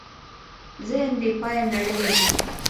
ذهن بېپایه نړۍ لري.